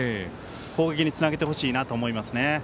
攻撃につなげてほしいなと思いますね。